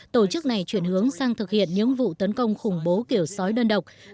tổ chức này chuyển hướng sang thực hiện những vụ tấn công khủng bố kiểu sói đơn độc